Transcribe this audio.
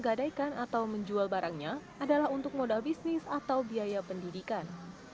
gadaikan atau menjual barangnya adalah untuk modal bisnis atau biaya pendidikan